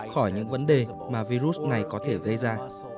khỏi những vấn đề mà virus này có thể gây ra